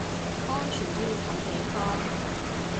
安全都要睇地方